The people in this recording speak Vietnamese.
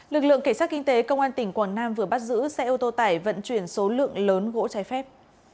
lực lượng cảnh sát kinh tế công an tỉnh quảng nam vừa bắt giữ xe ô tô tải vận chuyển số lượng lớn gỗ trái phép